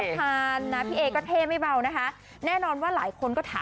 กดอย่างวัยจริงเห็นพี่แอนทองผสมเจ้าหญิงแห่งโมงการบันเทิงไทยวัยที่สุดค่ะ